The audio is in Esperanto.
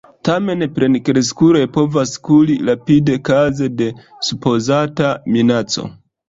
Tamen plenkreskuloj povas kuri rapide kaze de supozata minaco.